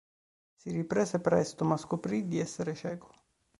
Si riprese presto, ma scoprì di essere cieco.